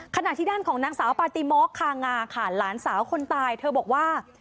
ขณะที่ด้านของนางสาวปาติมอกคางาค่ะหลานสาวคนตายเธอบอกว่า